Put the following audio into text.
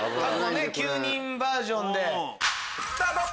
９人バージョンで。